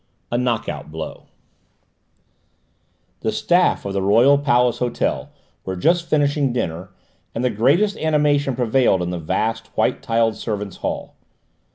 A KNOCK OUT BLOW The staff of the Royal Palace Hotel were just finishing dinner, and the greatest animation prevailed in the vast white tiled servants' hall.